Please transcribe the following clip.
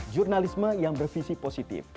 jurnalisme yang bervisi positif